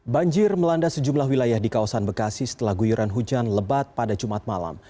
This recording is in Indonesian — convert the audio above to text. banjir melanda sejumlah wilayah di kawasan bekasi setelah guyuran hujan lebat pada jumat malam